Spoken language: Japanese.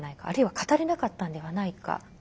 あるいは語れなかったんではないか。